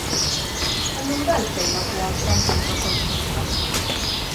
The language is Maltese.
Allura għalfejn nagħtuhom sentenza sospiża?